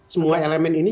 semua elemen ini